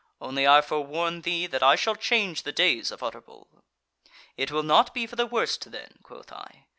Only I forewarn thee that I shall change the days of Utterbol.' "'It will not be for the worst then,' quoth I.